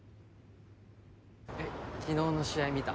昨日の試合見た？